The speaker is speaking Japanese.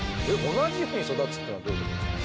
同じように育つってのはどういうことですか？